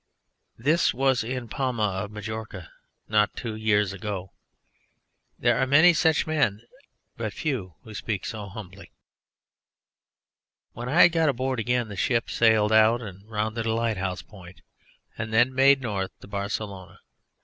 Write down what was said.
This was in Palma of Majorca not two years ago. There are many such men, but few who speak so humbly. When I had got aboard again the ship sailed out and rounded a lighthouse point and then made north to Barcelona.